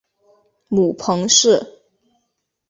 母彭氏。